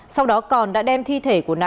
sau đó còn đã đem thi thể của nạn